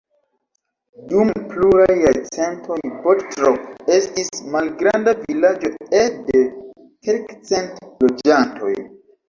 Dum pluraj jarcentoj Bottrop estis malgranda vilaĝo ede kelkcent loĝantoj.